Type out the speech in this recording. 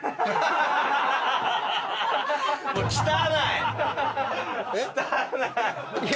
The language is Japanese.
汚い！